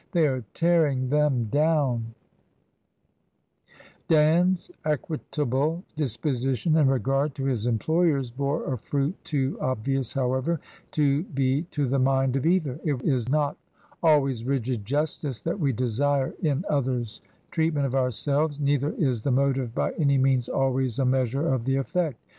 They are tearing them down !" Dan's equitable disposition in regard to his employers bore a fruit too obvious, however, to be to the mind of either. It is not always rigid justice that we desire in other's treatment of ourselves, neither is the motive by any means always a measure of the effect.